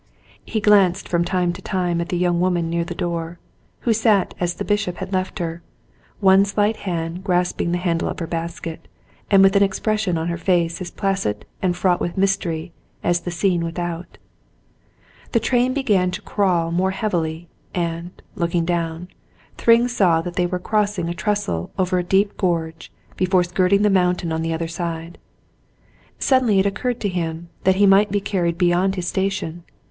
He glanced from time to time at the young woman near the door who sat as the bishop had left her, one slight hand grasping the handle of her basket, and with an expression on her face as placid and fraught with mystery as the scene without. The train began to crawl more heavily, and, looking down, Thryng saw that they were crossing a trestle over a deep gorge before skirting the mountain on the other side. Suddenly it occurred to him that he might be carried beyond his station.